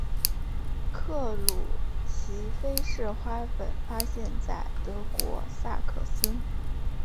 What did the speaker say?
克鲁奇菲氏花粉发现在德国萨克森。